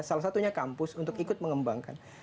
salah satunya kampus untuk ikut mengembangkan